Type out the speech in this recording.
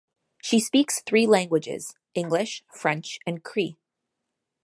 She speaks three languages: English, French, and Cree.